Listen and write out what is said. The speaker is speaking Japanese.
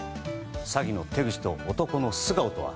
詐欺の手口と男の素顔とは？